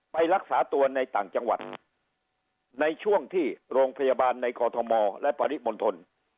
ไปรักษาตัวในต่างจังหวัดในช่วงที่โรงพยาบาลในกอทมและปริมณฑล